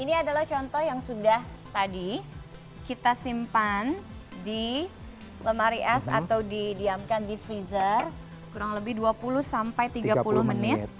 ini adalah contoh yang sudah tadi kita simpan di lemari es atau didiamkan di freezer kurang lebih dua puluh sampai tiga puluh menit